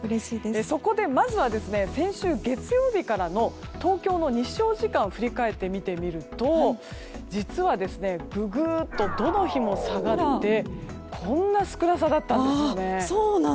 そこでまずは先週月曜日からの東京の日照時間を振り返って見てみると実はぐぐっと、どの日も下がってこんな少なさだったんですよね。